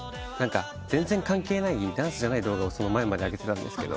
全然関係ないダンスじゃない動画をその前まで上げてたんですけど。